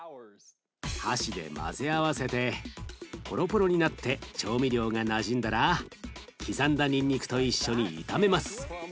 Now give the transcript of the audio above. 箸で混ぜ合わせてポロポロになって調味料がなじんだら刻んだにんにくと一緒に炒めます。